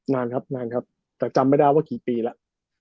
นานครับนานครับแต่จำไม่ได้ว่ากี่ปีแล้ว